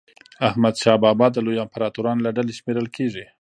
حمدشاه بابا د لویو امپراطورانو له ډلي شمېرل کېږي.